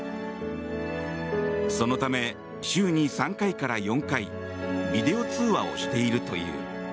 そのため、週に３回から４回ビデオ通話をしているという。